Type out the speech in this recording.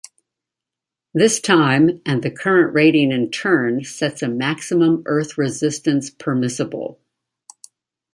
This time and the current rating in turn sets a maximum earth resistance permissible.